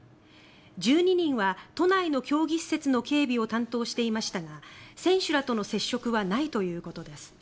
１２人は都内の競技施設の警備を担当していましたが、選手らとの接触はないということです。